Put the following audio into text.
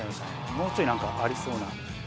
もうちょい何かありそうな。